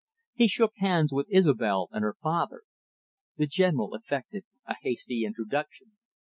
He shook hands with Isobel and her father. The General effected a hasty introduction.